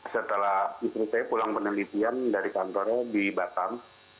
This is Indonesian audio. setelah istri saya pulang penelitian dari kantornya di batam